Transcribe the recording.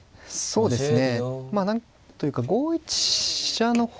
そうですね